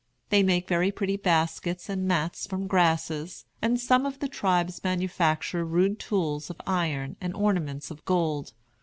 They make very pretty baskets and mats from grasses, and some of the tribes manufacture rude tools of iron and ornaments of gold.